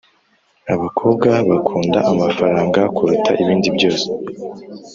Abakobwa bakunda amafaranga kuruta ibindi byose